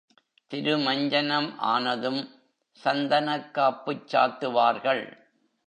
திருமஞ்சனம் ஆனதும் சந்தனக்காப்புச் சாத்துவார்கள்.